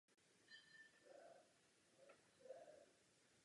Budova kovárny je chráněna jako kulturní památka České republiky.